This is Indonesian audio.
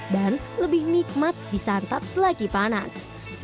dan lebih nikmat di santap selagi panas